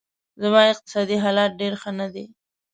زما اقتصادي حالت ډېر ښه نه دی